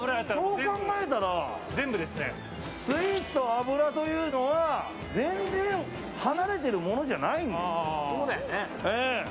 そう考えたらスイーツと脂というのは全然、離れているものじゃないんですよ。